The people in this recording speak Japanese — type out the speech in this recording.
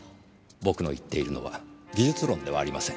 僕の言っているのは技術論ではありません。